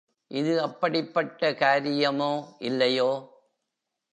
இது அப்படிப்பட்ட காரியமோ இல்லையோ?